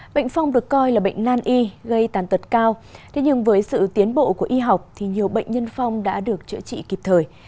bệnh phong được coi là bệnh nan y gây tàn tật cao nhưng với sự tiến bộ của y học thì nhiều bệnh nhân phong đã được chữa trị kịp thời